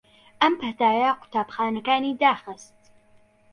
ئەم پەتایە قوتابخانەکانی داخست